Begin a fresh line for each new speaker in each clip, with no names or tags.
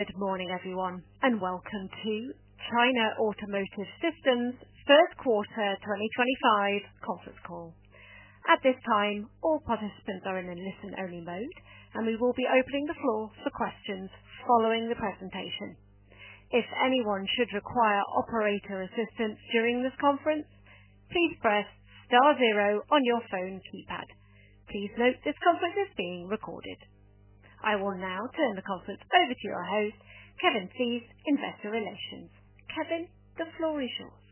Good morning, everyone, and welcome to China Automotive Systems' First Quarter 2025 Conference Call. At this time, all participants are in a listen-only mode, and we will be opening the floor for questions following the presentation. If anyone should require operator assistance during this conference, please press star zero on your phone keypad. Please note this conference is being recorded. I will now turn the conference over to your host, Kevin Theiss, Investor Relations. Kevin, the floor is yours.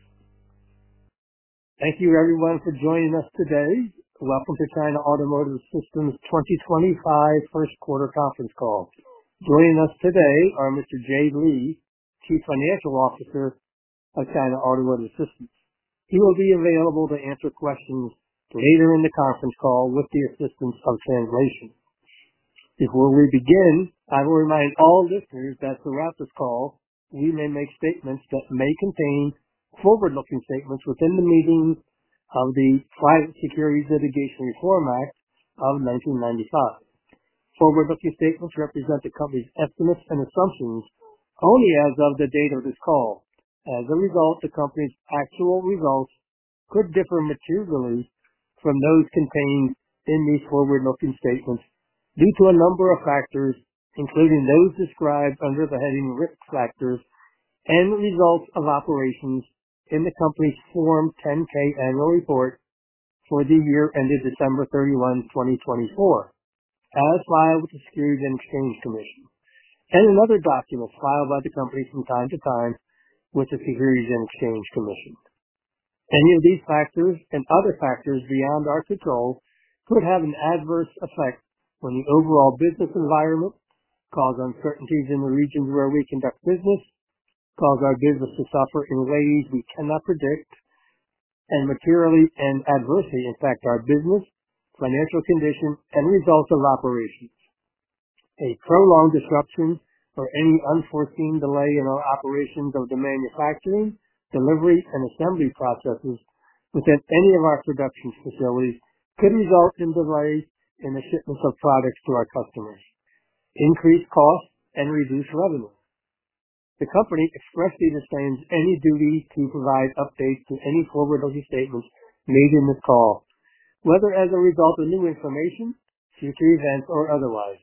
Thank you, everyone, for joining us today. Welcome to China Automotive Systems' 2025 First Quarter Conference Call. Joining us today are Mr. Jie Li, Chief Financial Officer of China Automotive Systems. He will be available to answer questions later in the conference call with the assistance of translation. Before we begin, I will remind all listeners that throughout this call we may make statements that may contain forward-looking statements within the meaning of the Private Securities Litigation Reform Act of 1995. Forward-looking statements represent the company's estimates and assumptions only as of the date of this call. As a result, the company's actual results could differ materially from those contained in these forward-looking statements due to a number of factors, including those described under the heading risk factors and the results of operations in the company's Form 10-K annual report for the year ended December 31, 2024, as filed with the Securities and Exchange Commission, and in other documents filed by the company from time to time with the Securities and Exchange Commission. Any of these factors and other factors beyond our control could have an adverse effect when the overall business environment causes uncertainties in the regions where we conduct business, causes our business to suffer in ways we cannot predict, and materially and adversely impact our business, financial condition, and results of operations. A prolonged disruption or any unforeseen delay in our operations of the manufacturing, delivery, and assembly processes within any of our production facilities could result in delays in the shipments of products to our customers, increased costs, and reduced revenue. The company expressly disdains any duty to provide updates to any forward-looking statements made in this call, whether as a result of new information, future events, or otherwise.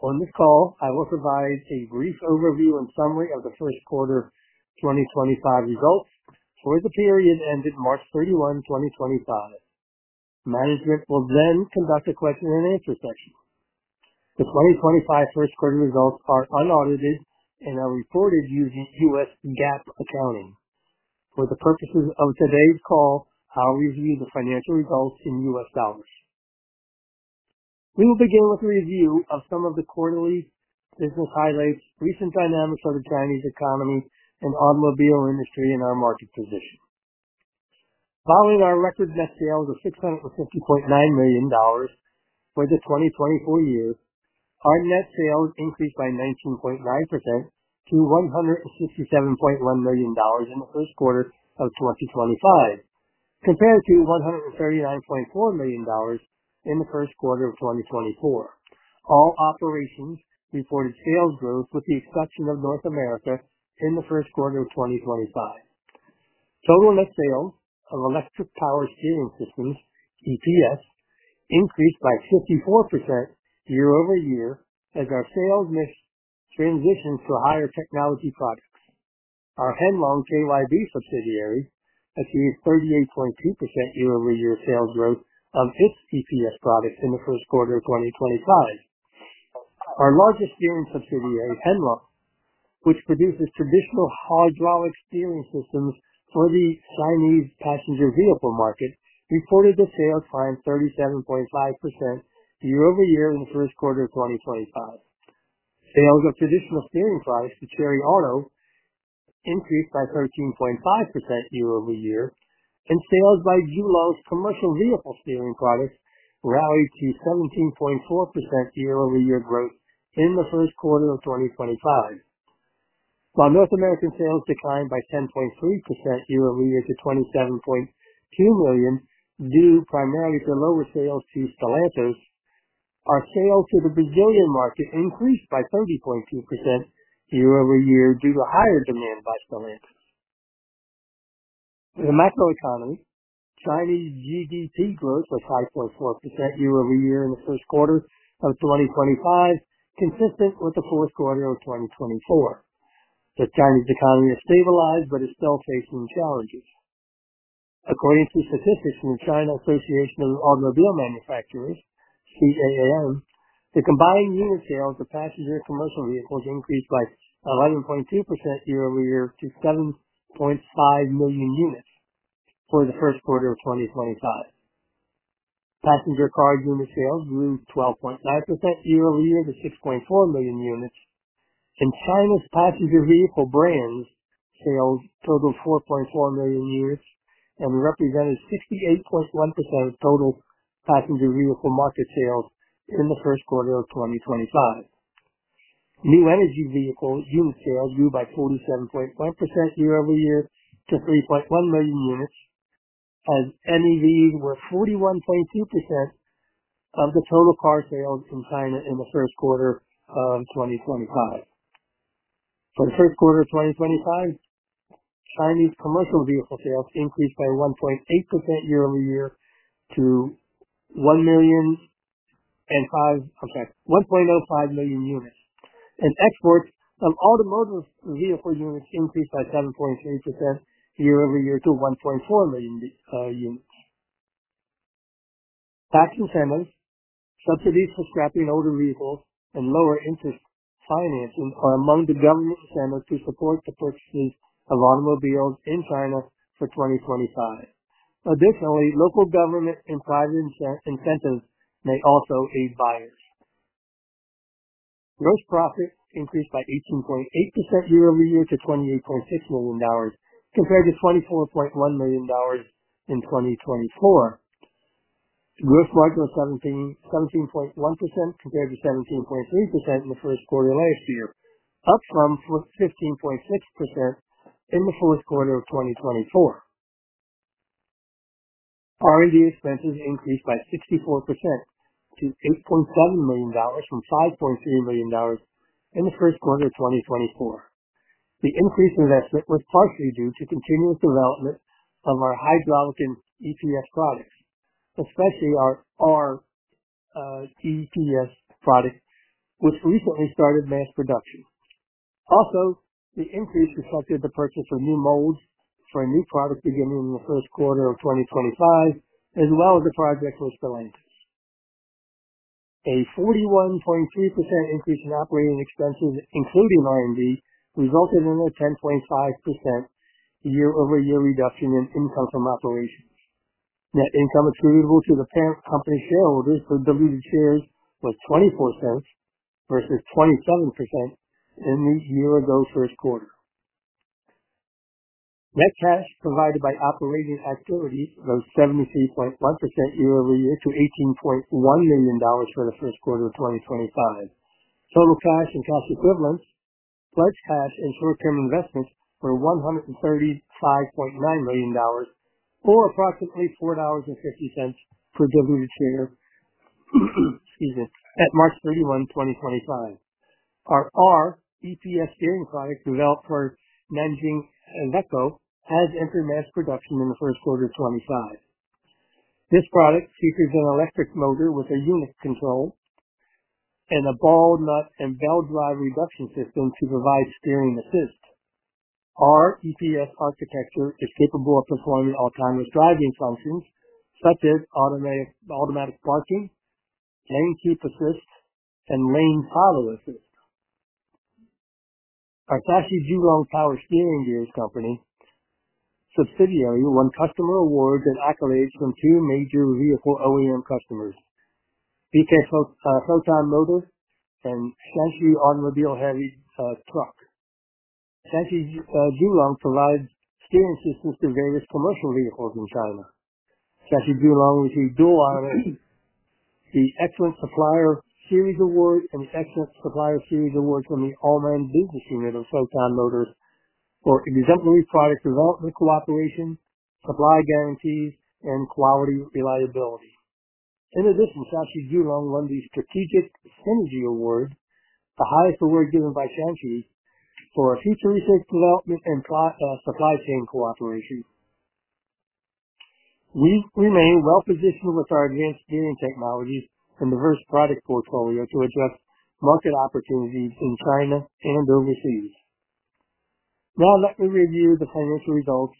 On this call, I will provide a brief overview and summary of the First Quarter 2025 results for the period ended March 31, 2025. Management will then conduct a Q&A session. The 2025 First Quarter results are unaudited and are reported using U.S. GAAP accounting. For the purposes of today's call, I'll review the financial results in U.S. dollars. We will begin with a review of some of the quarterly business highlights, recent dynamics of the Chinese economy, and automobile industry and our market position. Following our record net sales of $650.9 million for the 2024 year, our net sales increased by 19.9% to $167.1 million in the first quarter of 2025, compared to $139.4 million in the first quarter of 2024. All operations reported sales growth with the exception of North America in the first quarter of 2025. Total net sales of electric power steering systems, EPS, increased by 54% year over year as our sales transitioned to higher technology products. Our Henglong KYB subsidiary achieved 38.2% year-over-year sales growth of its EPS products in the first quarter of 2025. Our largest steering subsidiary, Henglong, which produces traditional hydraulic steering systems for the Chinese passenger vehicle market, reported the sales climbed 37.5% year-over-year over year in the first quarter of 2025. Sales of traditional steering products to Chery Auto increased by 13.5% year over year, and sales by Jiulong's commercial vehicle steering products rallied to 17.4% year-over-year growth in the first quarter of 2025. While North American sales declined by 10.3% year over year to $27.2 million due primarily to lower sales to Stellantis, our sales to the Brazilian Market increased by 30.2% year-over-year due to higher demand by Stellantis. In the macro economy, Chinese GDP growth was 5.4% year over year in the first quarter of 2025, consistent with the fourth quarter of 2024. The Chinese economy has stabilized but is still facing challenges. According to statistics from the China Association of Automobile Manufacturers (CAAM), the combined unit sales of passenger commercial vehicles increased by 11.2% year-over-year to 7.5 million units for the first quarter of 2025. Passenger car unit sales grew 12.9% year-over-year to 6.4 million units, and China's passenger vehicle brand sales totaled 4.4 million units and represented 68.1% of total passenger vehicle market sales in the first quarter of 2025. New energy vehicle unit sales grew by 47.1% year-over-year to 3.1 million units, as new energy vehicles were 41.2% of the total car sales in China in the first quarter of 2025. For the first quarter of 2025, Chinese commercial vehicle sales increased by 1.8% year-over-year to 1.05 million units, and exports of automotive vehicle units increased by 7.3% year-over-year to 1.4 million units. Tax incentives, subsidies for scrapping older vehicles, and lower interest financing are among the government incentives to support the purchases of automobiles in China for 2025. Additionally, local government and private incentives may also aid buyers. Gross profit increased by 18.8% year-over-year to $28.6 million, compared to $24.1 million in 2024. Gross margin was 17.1% compared to 17.3% in the first quarter last year, up from 15.6% in the fourth quarter of 2024. R&D expenses increased by 64% to $8.7 million from $5.3 million in the first quarter of 2024. The increase in investment was partially due to continuous development of our Hydraulic and EPS products, especially our EPS product, which recently started mass production. Also, the increase reflected the purchase of new molds for a new product beginning in the first quarter of 2025, as well as a project with Stellantis. A 41.3% increase in operating expenses, including R&D, resulted in a 10.5% year-over-year reduction in income from operations. Net income attributable to the parent company shareholders for diluted shares was $0.24 versus $0.27 in the year-ago first quarter. Net cash provided by operating activities rose 73.1% year-over-year to $18.1 million for the first quarter of 2025. Total cash and cash equivalents, pledged cash, and short-term investments were $135.9 million, or approximately $4.50 per diluted share at March 31, 2025. Our EPS steering product developed for Nanjing Iveco has entered mass production in the first quarter of 2025. This product features an electric motor with a unit control and a ball nut and bell drive reduction system to provide steering assist. Our EPS architecture is capable of performing autonomous driving functions such as automatic parking, lane keep assist, and lane follow assist. Our Shashi Jiulong Power Steering Gears Company subsidiary won customer awards and accolades from two major vehicle OEM customers, Proton Motors and Shaanxi Automobile Heavy Truck. Shashi Jiulong provides steering assistance to various commercial vehicles in China. Shashi Jiulong received dual honors, the Excellent Supplier Series Award and the Excellent Supplier Series Award from the All-Man Business Unit of Proton Motors for exemplary product development cooperation, supply guarantees, and quality reliability. In addition, Shashi Jiulong won the Strategic Synergy Award, the highest award given by Shaanxi for future research development and supply chain cooperation. We remain well-positioned with our advanced steering technologies and diverse product portfolio to address market opportunities in China and overseas. Now, let me review the financial results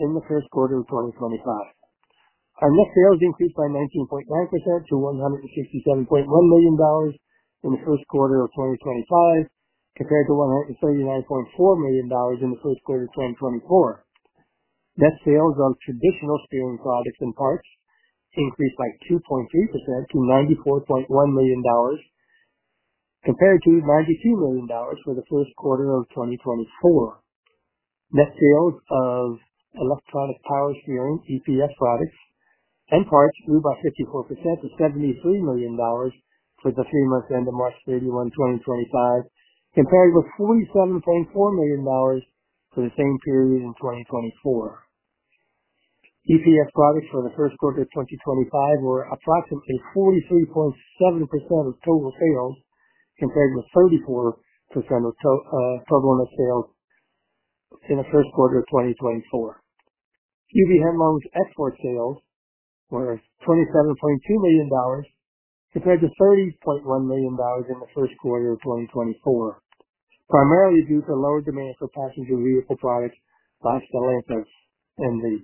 in the first quarter of 2025. Our net sales increased by 19.9% to $167.1 million in the first quarter of 2025, compared to $139.4 million in the first quarter of 2024. Net sales of traditional steering products and parts increased by 2.3% to $94.1 million, compared to $92 million for the first quarter of 2024. Net sales of electric power steering EPS products and parts grew by 54% to $73 million for the three months ended March 31, 2025, compared with $47.4 million for the same period in 2024. EPS products for the first quarter of 2025 were approximately 43.7% of total sales, compared with 34% of total net sales in the first quarter of 2024. QB Henglong's export sales were $27.2 million, compared to $30.1 million in the first quarter of 2024, primarily due to lower demand for passenger vehicle products like Stellantis and Li.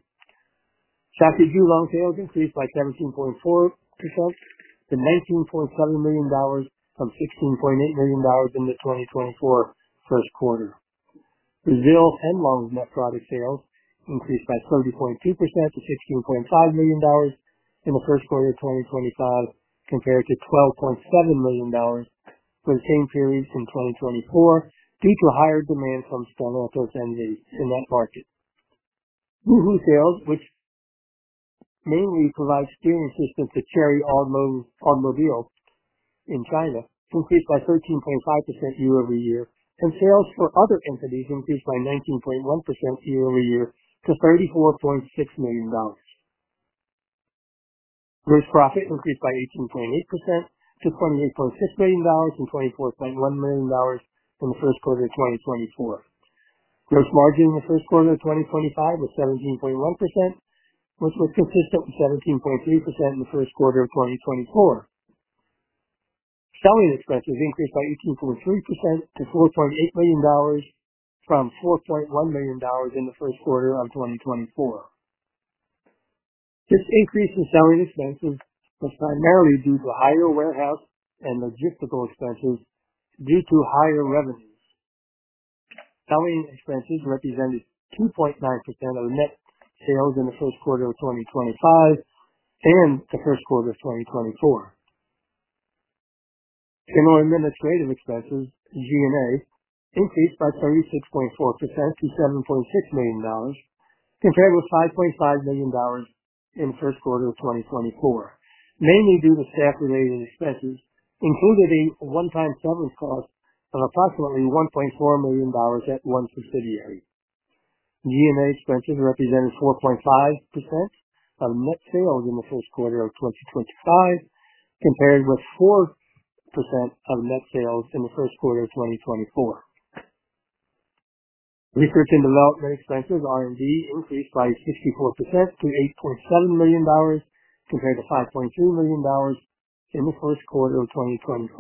Shashi Jiulong's sales increased by 17.4% to $19.7 million from $16.8 million in the 2024 first quarter. Brazil Henglong's net product sales increased by 30.2% to $16.5 million in the first quarter of 2025, compared to $12.7 million for the same period in 2024 due to higher demand from Stellantis and Li in that market. Wuhu sales, which mainly provides steering assistance to Chery Automobile in China, increased by 13.5% year-over-year, and sales for other entities increased by 19.1% year over year to $34.6 million. Gross profit increased by 18.8% to $28.6 million from $24.1 million in the first quarter of 2024. Gross margin in the first quarter of 2025 was 17.1%, which was consistent with 17.3% in the first quarter of 2024. Selling expenses increased by 18.3% to $4.8 million from $4.1 million in the first quarter of 2024. This increase in selling expenses was primarily due to higher warehouse and logistical expenses due to higher revenues. Selling expenses represented 2.9% of net sales in the first quarter of 2025 and the first quarter of 2024. General administrative expenses, G&A, increased by 36.4% to $7.6 million, compared with $5.5 million in the first quarter of 2024, mainly due to staff-related expenses, including a one-time severance cost of approximately $1.4 million at one subsidiary. G&A expenses represented 4.5% of net sales in the first quarter of 2025, compared with 4% of net sales in the first quarter of 2024. Research and development expenses, R&D, increased by 64% to $8.7 million, compared to $5.3 million in the first quarter of 2024,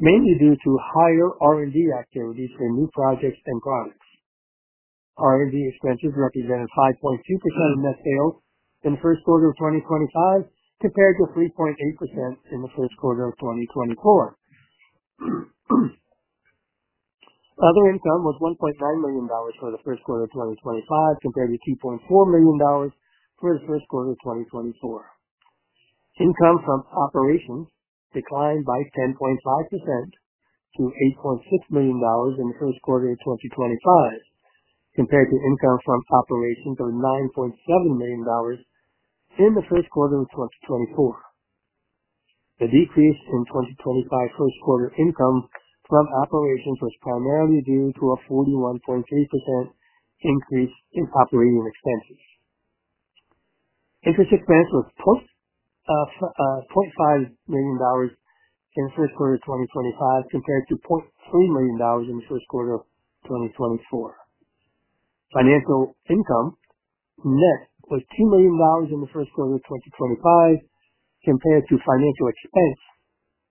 mainly due to higher R&D activities for new projects and products. R&D expenses represented 5.2% of net sales in the first quarter of 2025, compared to 3.8% in the first quarter of 2024. Other income was $1.9 million for the first quarter of 2025, compared to $2.4 million for the first quarter of 2024. Income from operations declined by 10.5% to $8.6 million in the first quarter of 2025, compared to income from operations of $9.7 million in the first quarter of 2024. The decrease in 2025 first quarter income from operations was primarily due to a 41.3% increase in operating expenses. Interest expense was $0.5 million in the first quarter of 2025, compared to $0.3 million in the first quarter of 2024. Financial income net was $2 million in the first quarter of 2025, compared to financial expense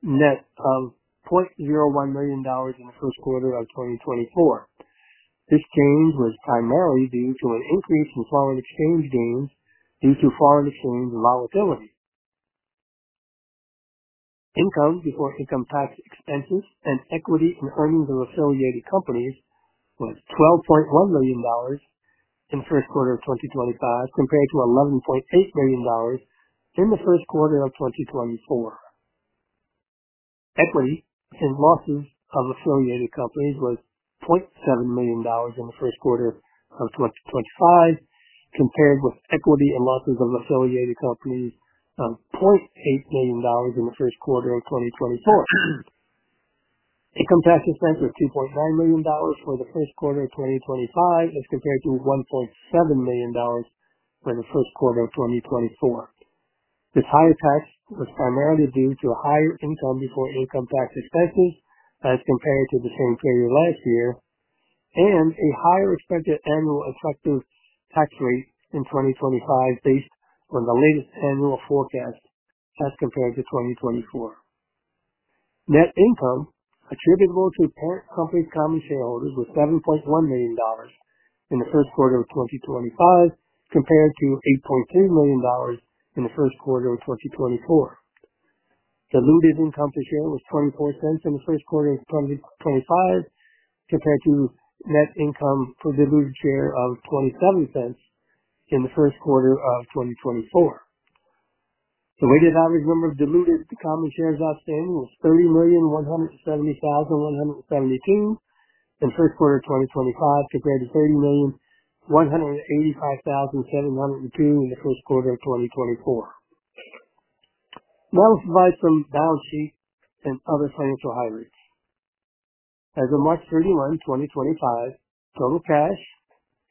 net of $0.01 million in the first quarter of 2024. This change was primarily due to an increase in foreign exchange gains due to foreign exchange volatility. Income before income tax expenses and equity in earnings of affiliated companies was $12.1 million in the first quarter of 2025, compared to $11.8 million in the first quarter of 2024. Equity in losses of affiliated companies was $0.7 million in the first quarter of 2025, compared with equity in losses of affiliated companies of $0.8 million in the first quarter of 2024. Income tax expense was $2.9 million for the first quarter of 2025, as compared to $1.7 million for the first quarter of 2024. This higher tax was primarily due to a higher income before income tax expenses, as compared to the same period last year, and a higher expected annual effective tax rate in 2025 based on the latest annual forecast, as compared to 2024. Net income attributable to parent company common shareholders was $7.1 million in the first quarter of 2025, compared to $8.3 million in the first quarter of 2024. Diluted income per share was $0.24 in the first quarter of 2025, compared to net income for diluted share of $0.27 in the first quarter of 2024. The weighted average number of diluted common shares outstanding was $30,170,172 in the first quarter of 2025, compared to $30,185,702 in the first quarter of 2024. Now, let's provide some balance sheet and other financial highlights. As of March 31, 2025, total cash,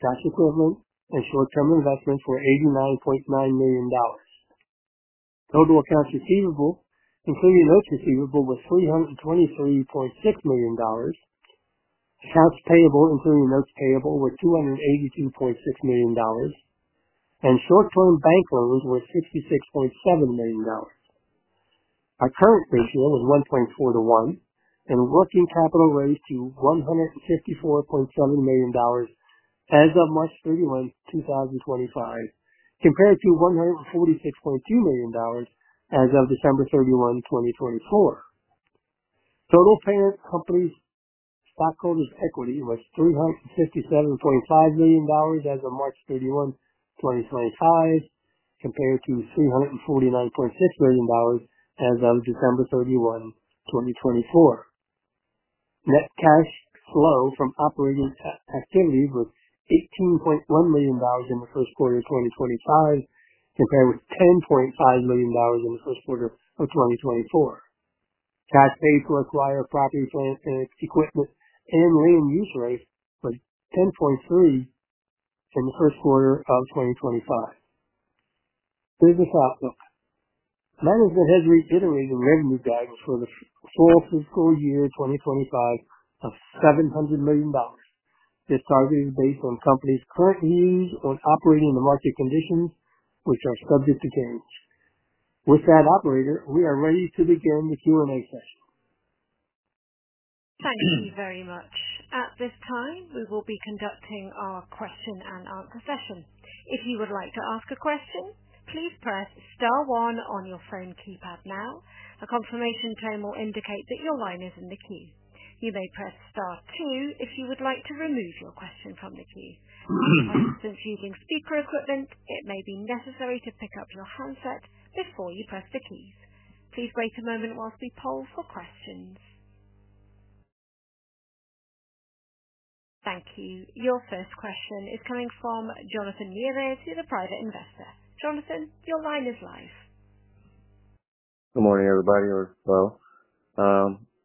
cash equivalent, and short-term investments were $89.9 million. Total accounts receivable, including notes receivable, was $323.6 million. Accounts payable, including notes payable, were $282.6 million, and short-term bank loans were $66.7 million. Our current ratio was 1.4 to 1, and working capital raised to $154.7 million as of March 31, 2025, compared to $146.2 million as of December 31, 2024. Total parent company stockholders' equity was $357.5 million as of March 31, 2025, compared to $349.6 million as of December 31, 2024. Net cash flow from operating activities was $18.1 million in the first quarter of 2025, compared with $10.5 million in the first quarter of 2024. Cash paid to acquire property, equipment, and land use rights was $10.3 million in the first quarter of 2025. Business Outlook: Management has reiterated revenue guidance for the full fiscal year 2025 of $700 million. This target is based on companies' current views on operating the market conditions, which are subject to change. With that operator, we are ready to begin the Q&A session. Thank you very much.
At this time, we will be conducting our Q&A session. If you would like to ask a question, please press Star one on your phone keypad now. A confirmation tone will indicate that your line is in the queue. You may press Star two if you would like to remove your question from the queue. For instance, using speaker equipment, it may be necessary to pick up your handset before you press the keys. Please wait a moment whilst we poll for questions. Thank you. Your first question is coming from Jonathan Mires, who's a private investor. Jonathan, your line is live.
Good morning, everybody. We're well.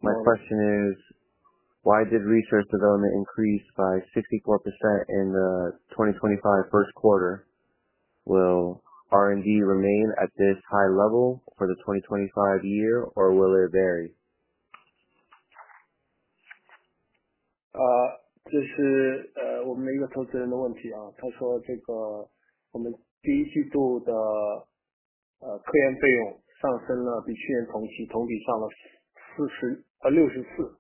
My question is, why did research development increase by 64% in the 2025 first quarter? Will R&D remain at this high level for the 2025 year, or will it vary?
这是我们一个投资人的问题。他说我们第一季度的科研费用上升了，比去年同期同比上了64%。他说为什么上了这么多。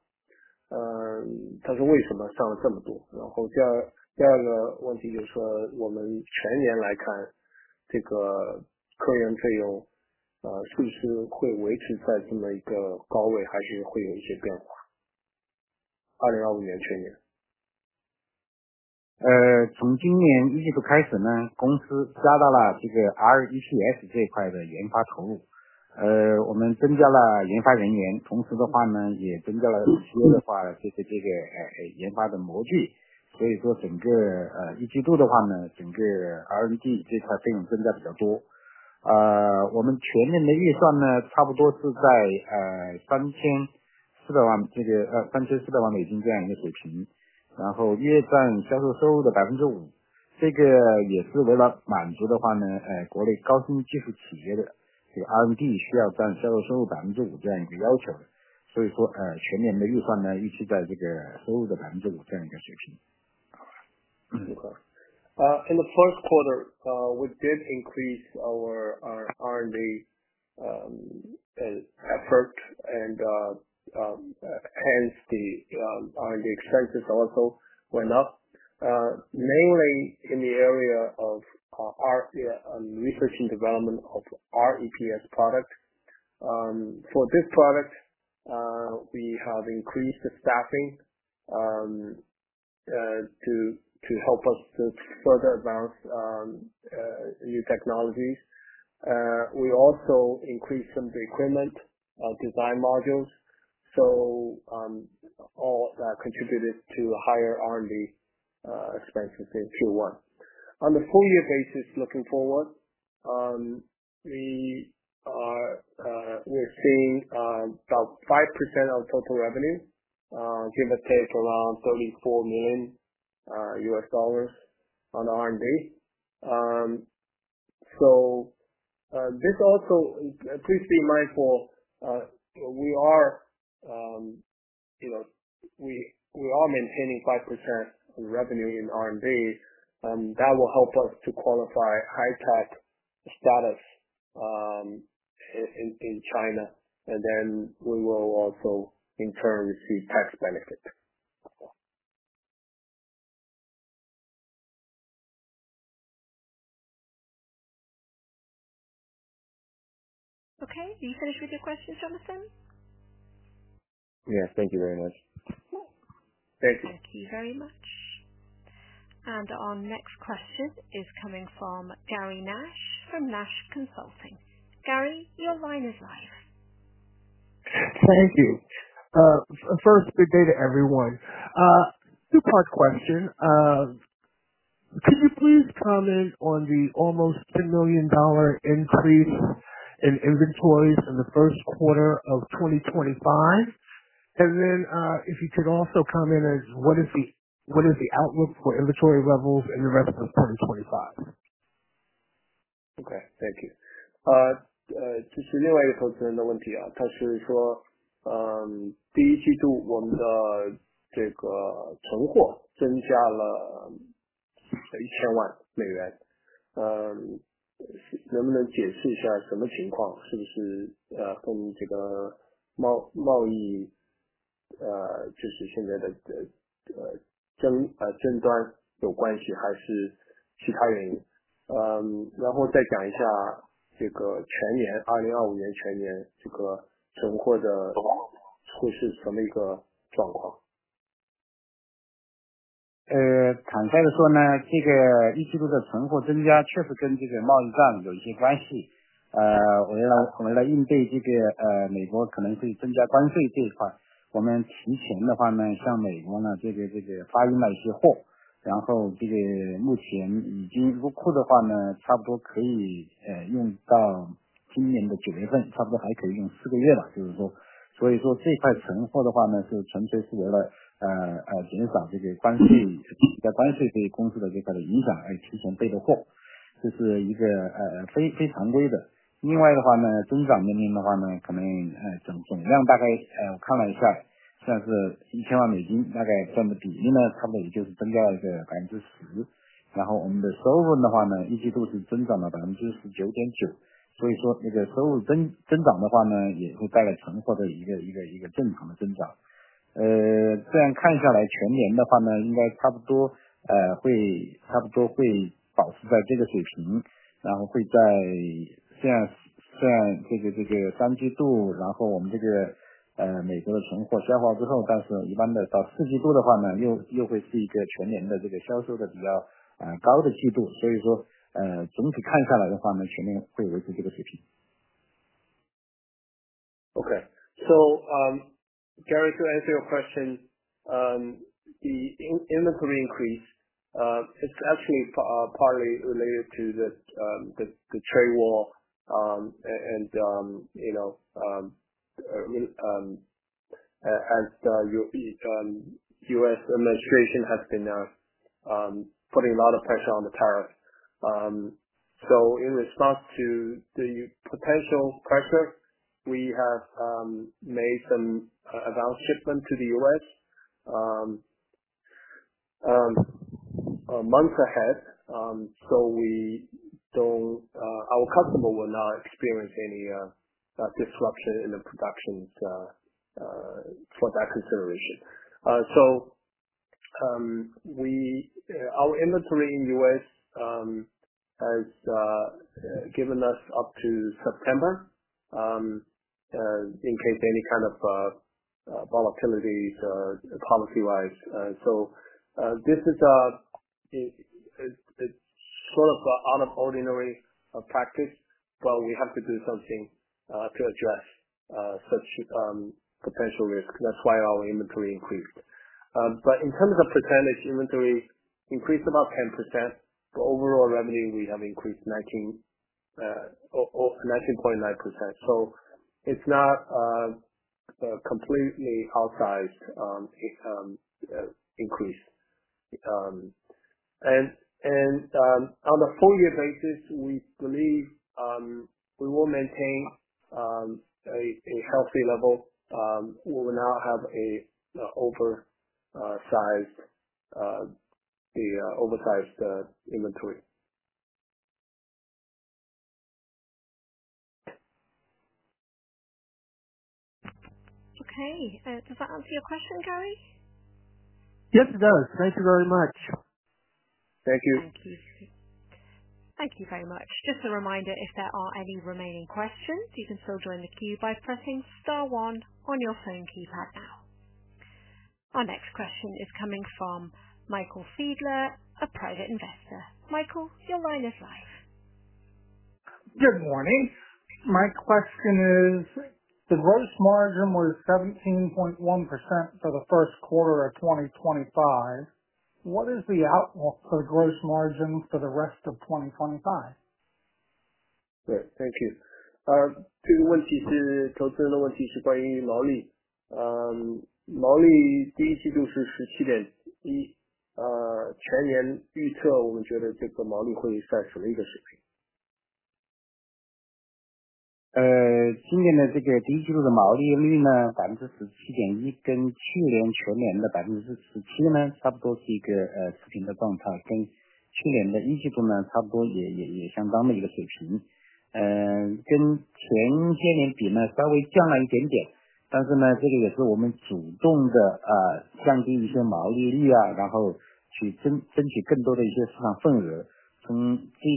In the first quarter, we did increase our R&D effort, and hence the R&D expenses also went up, mainly in the area of research and development of REPS product. For this product, we have increased the staffing to help us to further advance new technologies. We also increased some of the equipment design modules, so all that contributed to higher R&D expenses in Q1. On a four-year basis, looking forward, we're seeing about 5% of total revenue, give or take around $34 million on R&D. This also, please be mindful, we are maintaining 5% of revenue in R&D. That will help us to qualify high-tech status in China, and then we will also, in turn, receive tax benefit.
Okay. Are you finished with your question, Jonathan?
Yes. Thank you very much.
Thank you.
Thank you very much. Our next question is coming from Garry Nash from Nash Consulting. Gary, your line is live.
Thank you. First, good day to everyone. Two-part question. Could you please comment on the almost $10 million increase in inventories in the first quarter of 2025? Could you also comment on what is the outlook for inventory levels in the rest of 2025?
Okay. Thank you. To simulate a question and the one PR, 他说第一季度我们的存货增加了$10 million。能不能解释一下什么情况，是不是跟贸易现在的争端有关系，还是其他原因？然后再讲一下全年，2025年全年存货的会是什么一个状况？ the whole year, it will remain at this level.
Okay. Gary, to answer your question, the inventory increase, it's actually partly related to the trade war and as the U.S. administration has been putting a lot of pressure on the tariffs. In response to the potential pressure, we have made some advanced shipment to the U.S. months ahead, so our customer will not experience any disruption in the productions for that consideration. Our inventory in the U.S. has given us up to September in case any kind of volatilities policy-wise. This is sort of out of ordinary practice, but we have to do something to address such potential risk. That's why our inventory increased. In terms of percentage, inventory increased about 10%. The overall revenue, we have increased 19.9%. It's not a completely outsized increase. On a four-year basis, we believe we will maintain a healthy level. We will not have an oversized inventory.
Okay. Does that answer your question, Gary?
Yes, it does. Thank you very much.
Thank you.
Thank you. Thank you very much. Just a reminder, if there are any remaining questions, you can still join the queue by pressing Star 1 on your phone keypad now. Our next question is coming from Michael Fiedler, a private investor. Michael, your line is live. Good morning. My question is, the gross margin was 17.1% for the first quarter of 2025. What is the outlook for the gross margin for the rest of 2025?
Great. Thank you. 这个问题是投资人的问题是关于毛利。毛利第一季度是17.1%。全年预测我们觉得毛利会在什么一个水平？ Okay. Yes.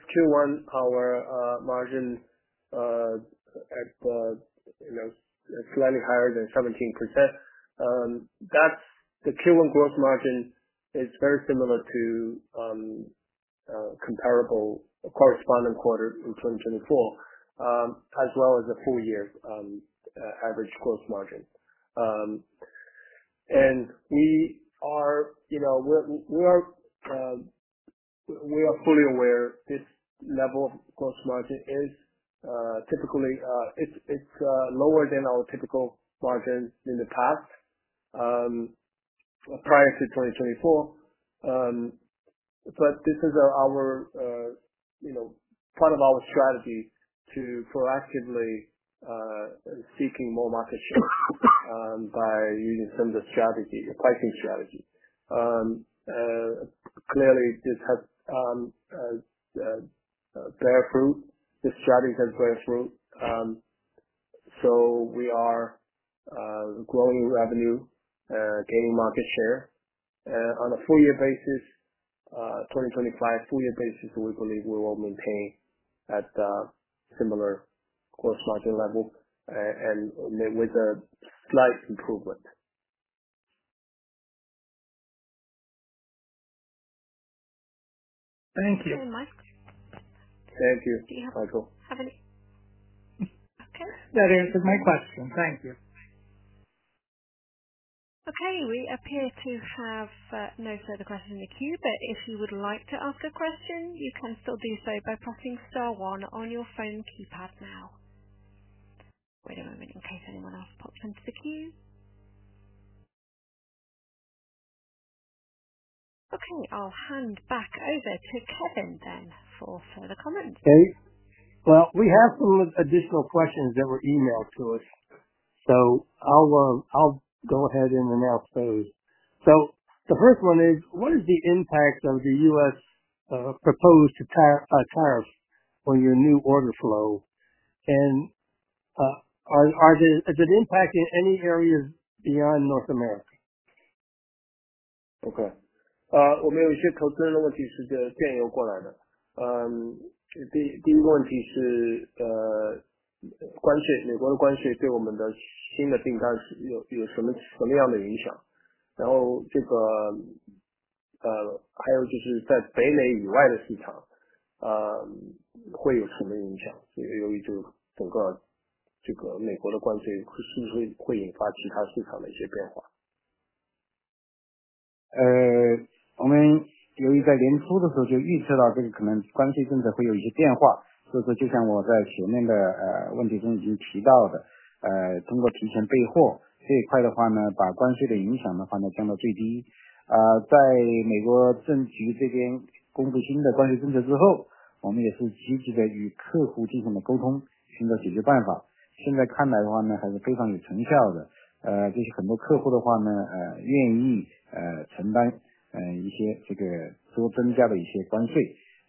Q1, our margin at slightly higher than 17%. The Q1 gross margin is very similar to comparable corresponding quarter in 2024, as well as a four-year average gross margin. We are fully aware this level of gross margin is typically lower than our typical margin in the past, prior to 2024. This is part of our strategy to proactively seek more market share by using some of the pricing strategy. Clearly, this has borne fruit. This strategy has borne fruit. We are growing revenue, gaining market share. On a four-year basis, 2025 four-year basis, we believe we will maintain at similar gross margin level and with a slight improvement.
Thank you.
Thank you. Thank you. Do you have any? Michael.
Okay. That answers my question. Thank you.
Okay. We appear to have no further questions in the queue, but if you would like to ask a question, you can still do so by pressing star one on your phone keypad now. Wait a moment in case anyone else pops into the queue. Okay. I'll hand back over to Kevin then for further comments.
Okay. We have some additional questions that were emailed to us. I'll go ahead and announce those. The first one is, what is the impact of the U.S. proposed tariffs on your new order flow? Is it impacting any areas beyond North America?
Okay. Maybe we should consider the one you should. 电邮过来的。第一个问题是关税，美国的关税对我们的新的订单有什么样的影响？然后还有就是在北美以外的市场会有什么影响？由于整个美国的关税是不是会引发其他市场的一些变化？ way, we will have more options to deal with tariffs. That is all.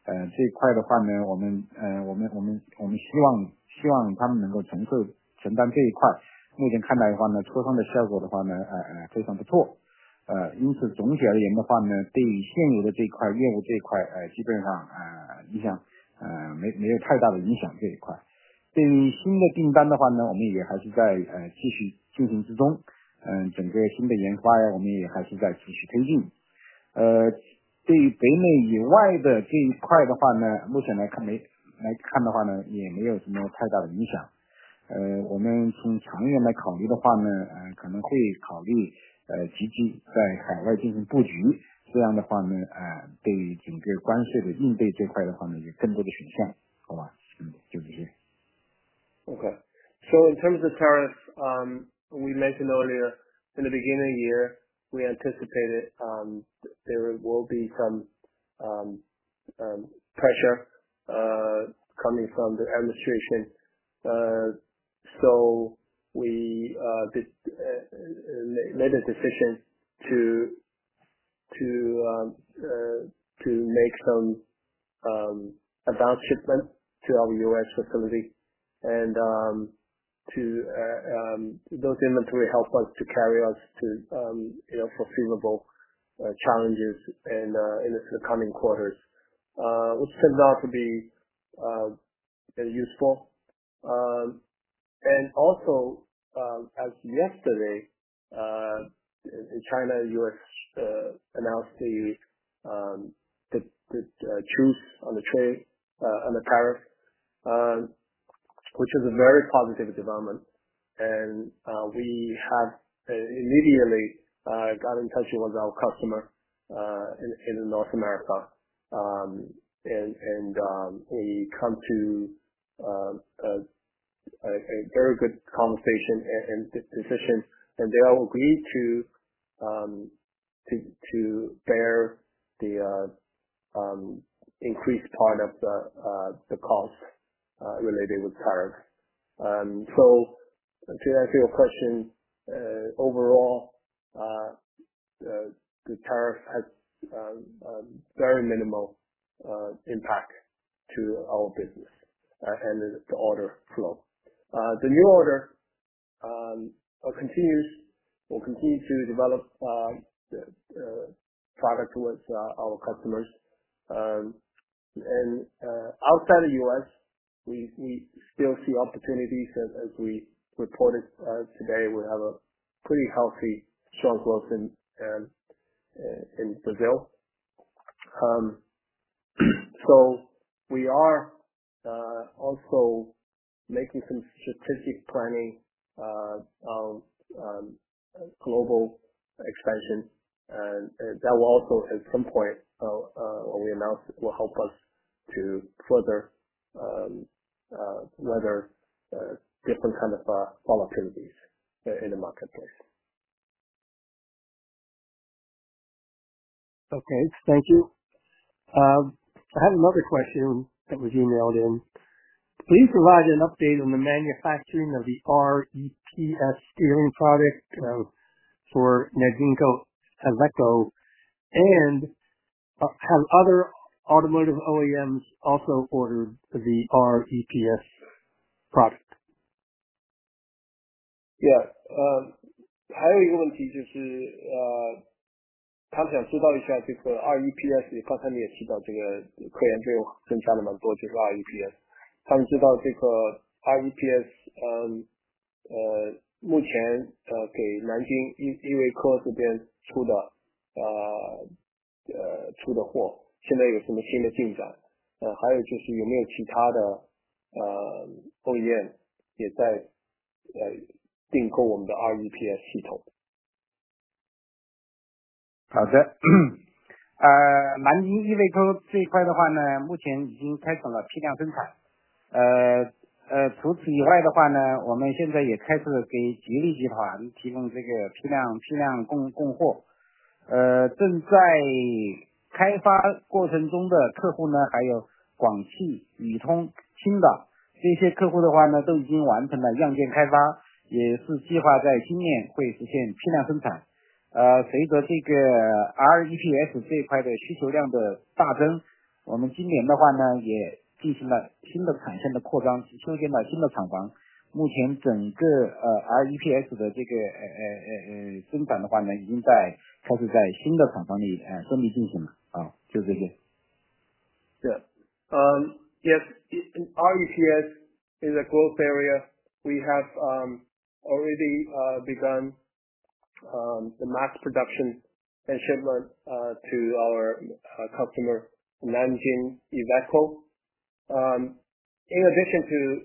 Okay. In terms of tariffs, we mentioned earlier in the beginning of the year, we anticipated there will be some pressure coming from the administration. We made a decision to make some advanced shipment to our U.S. facility. Those inventory help us to carry us to foreseeable challenges in the coming quarters, which turned out to be very useful. Also, as of yesterday, China and the U.S. announced the truce on the tariff, which is a very positive development. We have immediately got in touch with our customer in North America. We come to a very good conversation and decision. They all agreed to bear the increased part of the cost related with tariffs. To answer your question, overall, the tariff has very minimal impact to our business and the order flow. The new order will continue to develop products towards our customers. Outside the U.S., we still see opportunities. As we reported today, we have a pretty healthy, strong growth in Brazil. We are also making some strategic planning on global expansion. That will also, at some point, when we announce, help us to further weather different kinds of volatilities in the marketplace.
Okay. Thank you. I have another question that was emailed in. Please provide an update on the manufacturing of the REPS steering product for Nanjing Iveco. Have other automotive OEMs also ordered the REPS product? OEM 也在订购我们的 REPS 系统？ 好的。南京EVCO这一块的话，目前已经开始了批量生产。除此以外的话，我们现在也开始给吉利集团提供批量供货。正在开发过程中的客户还有广汽、宇通、青岛。这些客户的话都已经完成了样件开发，也是计划在今年会实现批量生产。随着REPS这一块的需求量的大增，我们今年的话也进行了新的产线的扩张，修建了新的厂房。目前整个REPS的生产的话已经开始在新的厂房里顺利进行了。就这些。
Yeah. Yes. REPS is a growth area. We have already begun the mass production and shipment to our customer, Nanjing Iveco. In addition to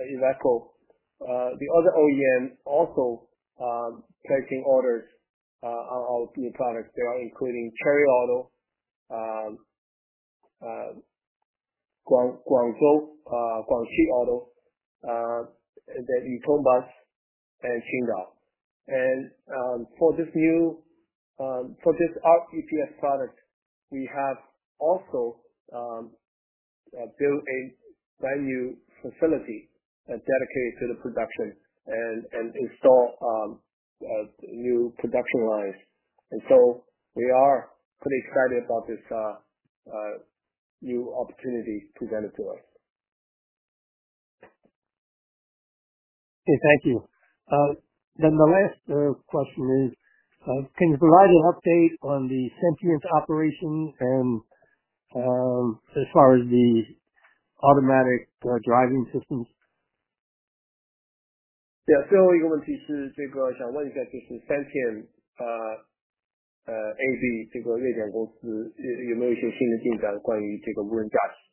Iveco, the other OEM also placing orders on our new products. They are including Chery Automobile, Guangzhou Automobile Group, Guangxi Auto, then Yutong Bus, and Qingdao Auto. For this new REPS product, we have also built a brand new facility dedicated to the production and installed new production lines. We are pretty excited about this new opportunity presented to us.
Okay. Thank you. The last question is, can you provide an update on the Sentient operation as far as the automatic driving systems?
Yeah. So the only one is to say, what is that Sentience AB, 这个列强公司有没有一些新的进展关于无人驾驶？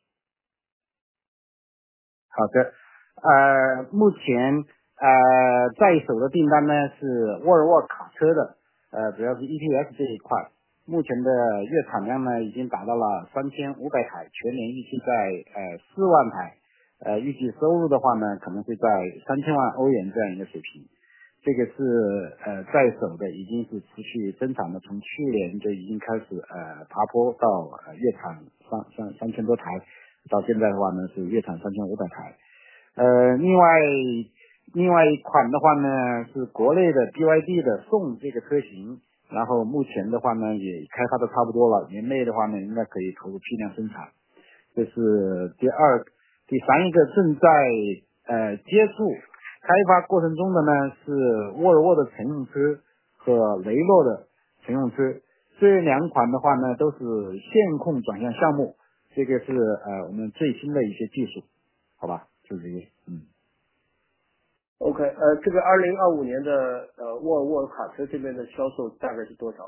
Okay. 这个2025年的沃尔沃卡车这边的销售大概是多少？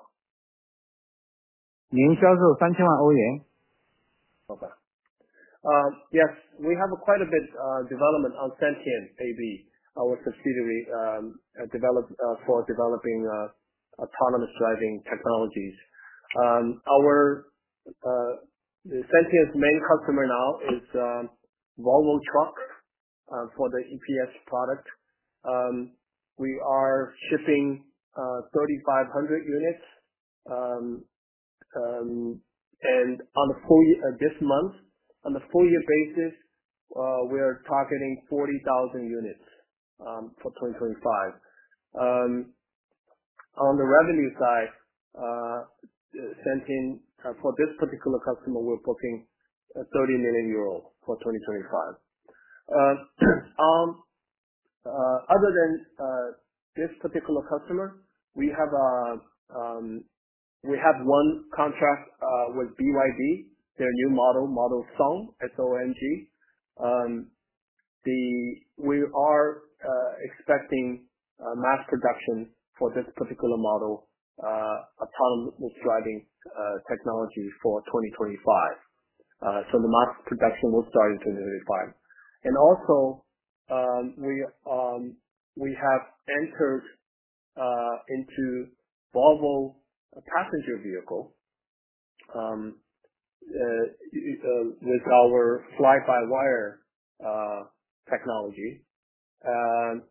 年销售3,000万欧元。
Okay. Yes. We have quite a bit of development on Sentient AB, our subsidiary for developing autonomous driving technologies. Our Sentient main customer now is Volvo Trucks for the EPS product. We are shipping 3,500 units. This month, on a full-year basis, we are targeting 40,000 units for 2025. On the revenue side, for this particular customer, we're booking 30 million euro for 2025. Other than this particular customer, we have one contract with BYD, their new model, model Tang. We are expecting mass production for this particular model, autonomous driving technology for 2025. The mass production will start in 2025. We have entered into Volvo passenger vehicle with our fly-by-wire technology. There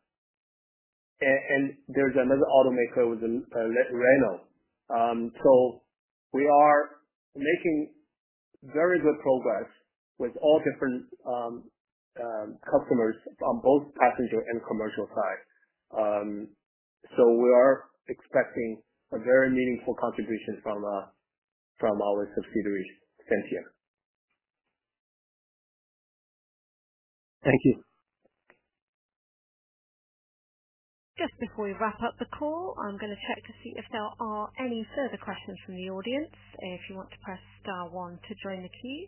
is another automaker with Renault. We are making very good progress with all different customers on both passenger and commercial side. We are expecting a very meaningful contribution from our subsidiary Sentience. Thank you.
Just before we wrap up the call, I'm going to check to see if there are any further questions from the audience. If you want to press star one to join the queue.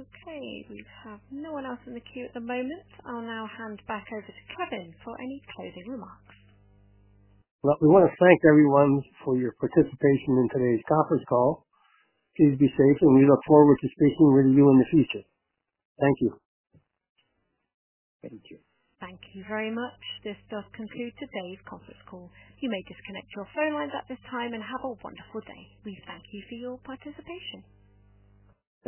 Okay. We have no one else in the queue at the moment. I'll now hand back over to Kevin for any closing remarks.
We want to thank everyone for your participation in today's conference call. Please be safe, and we look forward to speaking with you in the future. Thank you. Thank you. Thank you very much. This does conclude today's conference call. You may disconnect your phone lines at this time and have a wonderful day. We thank you for your participation.